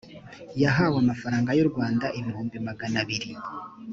yahawe amafarangay u rwanda ibihumbi magana abiri